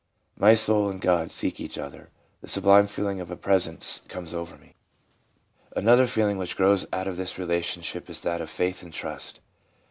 My soul and God seek each other. The sublime feeling of a presence comes over me/ Another feeling which grows out of this relationship , is that of faith and trust.